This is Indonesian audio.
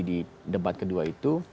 di debat kedua itu